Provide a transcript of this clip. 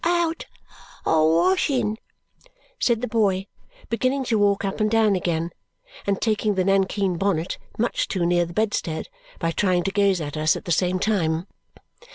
"Out a washing," said the boy, beginning to walk up and down again and taking the nankeen bonnet much too near the bedstead by trying to gaze at us at the same time.